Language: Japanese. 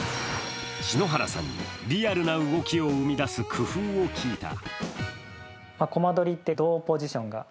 篠原さんにリアルな動きを生み出す工夫を聞いた。